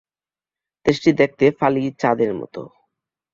দেশটি দেখতে ফালি চাঁদের মত।